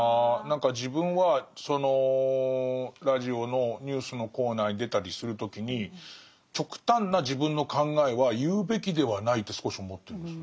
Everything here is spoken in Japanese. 何か自分はそのラジオのニュースのコーナーに出たりする時に極端な自分の考えは言うべきではないって少し思ってるんです。